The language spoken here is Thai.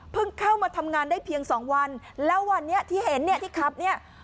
เข้ามาทำงานได้เพียงสองวันแล้ววันนี้ที่เห็นเนี่ยที่ขับเนี่ย